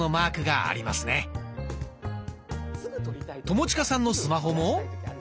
友近さんのスマホも。